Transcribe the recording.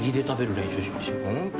本当？